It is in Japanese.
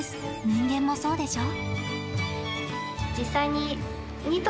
人間もそうでしょ？